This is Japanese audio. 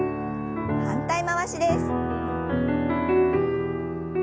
反対回しです。